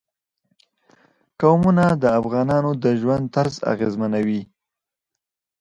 قومونه د افغانانو د ژوند طرز اغېزمنوي.